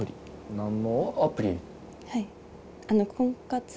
はい。